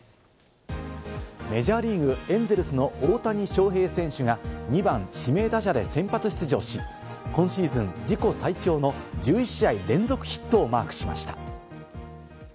メジャーリーグ・エンゼルスの大谷翔平選手が２番・指名打者で先発出場し、今シーズン自己最長の１１試合連続ヒットをマークしました。